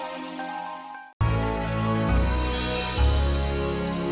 hidayah yang membuka mata hati kita